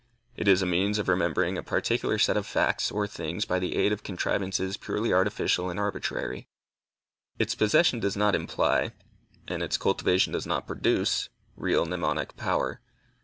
It is a means of remembering a particular set of facts or things by the aid of contrivances purely artificial and arbitrary. Its possession does not imply, and its cultivation does not produce, real mnemonic power.